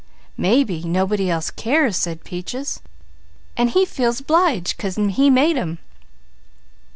"Mebby nobody else cares," said Peaches, "and He feels obliged to 'cause He made 'em."